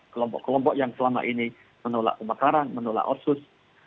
kelompok kelompok yang selama ini menolak pemekaran menolak otsus